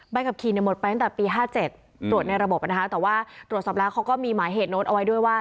ขับขี่หมดไปตั้งแต่ปี๕๗ตรวจในระบบนะคะแต่ว่าตรวจสอบแล้วเขาก็มีหมายเหตุโน้ตเอาไว้ด้วยว่า